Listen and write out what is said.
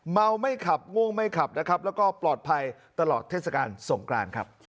เมาไม่ขับง่วงไม่ขับนะครับแล้วก็ปลอดภัยตลอดเทศกาลสงกรานครับ